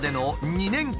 ２年間。